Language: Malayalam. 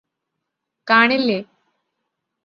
കാണില്ലേ